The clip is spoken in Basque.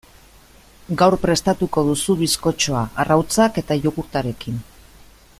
Gaur prestatuko duzu bizkotxoa arrautzak eta jogurtarekin.